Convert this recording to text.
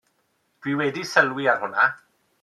Dw i wedi sylwi ar hwnna.